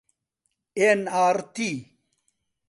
ئێن ئاڕ تی